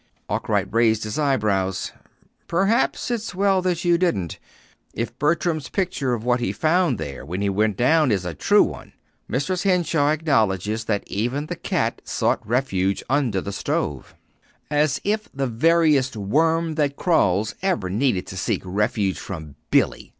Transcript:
Arkwright raised his eyebrows. "Perhaps it's well you didn't if Bertram's picture of what he found there when he went down is a true one. Mrs. Henshaw acknowledges that even the cat sought refuge under the stove." "As if the veriest worm that crawls ever needed to seek refuge from Billy!"